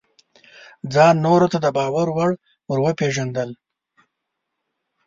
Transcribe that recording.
ځان نورو ته د باور وړ ورپېژندل: